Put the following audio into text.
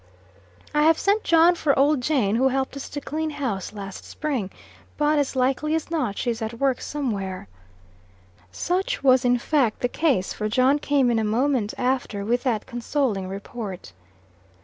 "I have sent John for old Jane, who helped us to clean house last spring. But, as likely as not, she's at work somewhere." Such was in fact the case, for John came in a moment after with that consoling report.